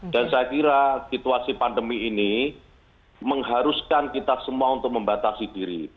dan saya kira situasi pandemi ini mengharuskan kita semua untuk membatasi diri